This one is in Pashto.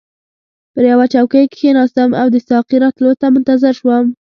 پر یوه چوکۍ کښیناستم او د ساقي راتلو ته منتظر شوم.